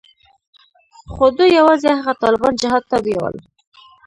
خو دوى يوازې هغه طالبان جهاد ته بيول.